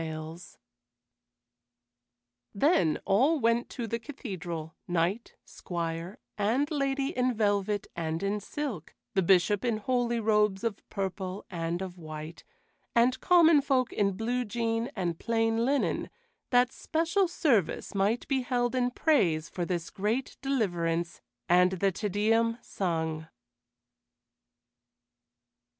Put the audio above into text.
[Illustration: A GLIMPSE OF AN HERETIC BEING BURNED TO DEATH] Then all went to the cathedral, knight, squire, and lady in velvet and in silk, the Bishop in holy robes of purple and of white, and common folk in blue jean and plain linen, that special service might be held in praise for this great deliverance, and the Te Deum sung.